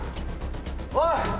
おい。